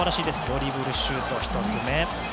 ドリブル、シュート１つ目。